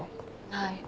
はい。